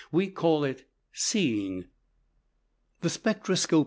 We call it "seeing." The spectroscope (p.